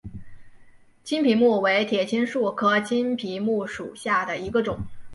青皮木为铁青树科青皮木属下的一个种。